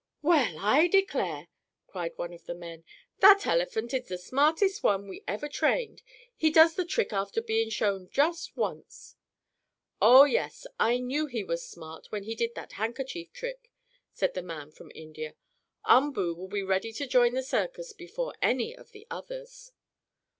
"Well, I declare!" cried one of the men. "That elephant is the smartest one we ever trained. He does the trick after being shown just once!" "Oh, yes, I knew he was smart when he did that handkerchief trick," said the man from India. "Umboo will be ready to join the circus before any of the others."